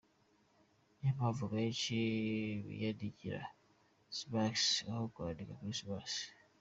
Ni yo mpamvu benshi biyandikira Xmas aho kwandika Christmas.